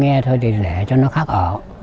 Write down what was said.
nghe thôi thì để cho nó khác ở